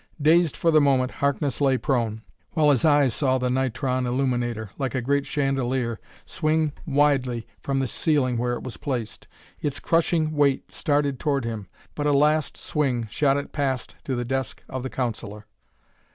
Dazed for the moment, Harkness lay prone, while his eyes saw the nitron illuminator, like a great chandelier, swing widely from the ceiling where it was placed. Its crushing weight started toward him, but a last swing shot it past to the desk of the counsellor.